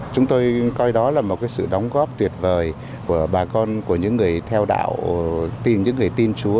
chúng tôi coi đó là một sự đóng góp tuyệt vời của bà con của những người theo đạo tìm những người tin chúa